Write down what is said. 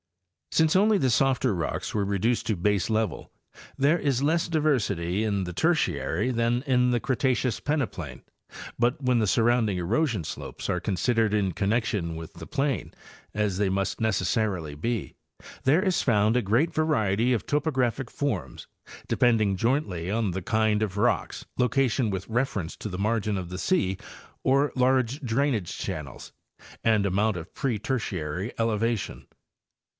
Since only the softer rocks were reduced to baselevel, there is less diversity in the Tertiary than in the Cretaceous peneplain, but when the surrounding erosion slopes are considered in connection with the plain, as they must neces sarily be, there is found a great variety of topographic forms, de pending jointly on the kind of rocks, location with reference to the margin of the sea or large drainage channels, and amount of pre Tertiary elevation.